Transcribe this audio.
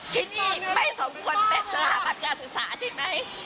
ที่นี่ไม่สมควรเป็นสถาบันการศึกษาใช่ไหม